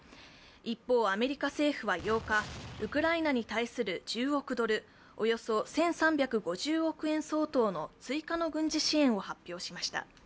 一方、アメリカ政府は８日、ウクライナに対する１０億ドル、およそ１３５０億円相当の追加の軍事支援を発表しました。